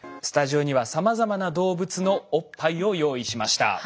スタジオにはさまざまな動物のおっぱいを用意しました。